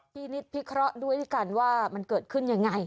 นิดพิเคราะห์ด้วยด้วยกันว่ามันเกิดขึ้นยังไง